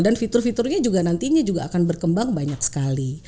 dan fitur fiturnya juga nantinya juga akan berkembang banyak sekali